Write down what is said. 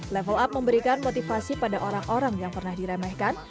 level up memberikan motivasi pada orang orang yang pernah diremehkan